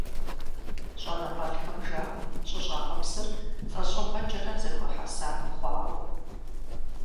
ЩӀэныгъэлӀхэм жаӀэ щӀыщӀагъыпсыр лӀэщӀыгъуэкӀэрэ зэхуэхьэса хъуауэ.